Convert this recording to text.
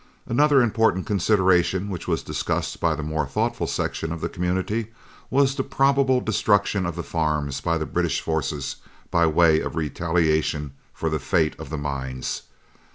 Another very important consideration which was discussed by the more thoughtful section of the community was the probable destruction of the farms by the British forces by way of retaliation for the fate of the mines.